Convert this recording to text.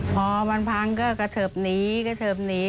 พอมันพังก็กระเทิบหนีกระเทิบหนี